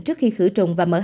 trước khi khử trùng và mở hàng